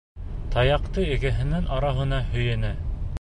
Таяҡты икеһенең араһына һөйәне.